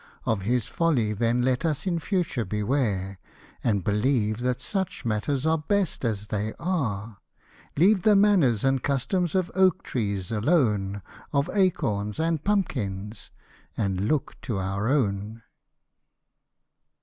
Of his folly then let us in future beware, And believe that such matters are best as they are : Leave the manners and customs of oak trees alone, Of acorns, and pumpkins and look to our own.